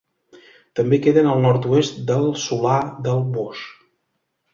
També queden al nord-oest del Solà del Boix.